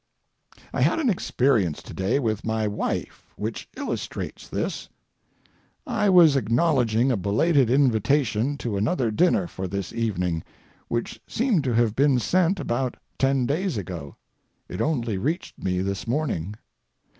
I had an experience to day with my wife which illustrates this. I was acknowledging a belated invitation to another dinner for this evening, which seemed to have been sent about ten days ago. It only reached me this morning.